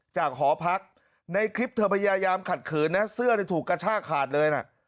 หอพักในคลิปเธอพยายามขัดขืนนะเสื้อถูกกระชากขาดเลยนะ